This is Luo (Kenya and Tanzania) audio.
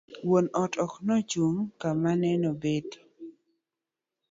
Wuon ot okne ochung' kama nene obetie